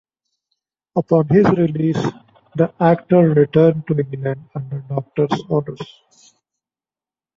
Upon his release, the actor returned to England under doctor's orders.